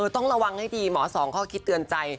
ต้องระวังให้ดีหมอสองข้อคิดเตือนใจ